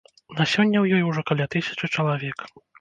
На сёння ў ёй ужо каля тысячы чалавек.